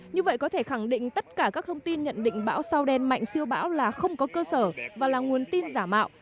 như vậy có thể khẳng định tất cả các thông tin nhận định bão sao đen mạnh siêu bão là không có cơ sở và là nguồn tin giả mạo